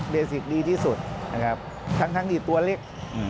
สิกดีที่สุดนะครับทั้งที่ตัวเล็ก